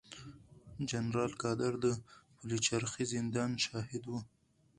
جنرال قادر د پلچرخي زندان شاهد و.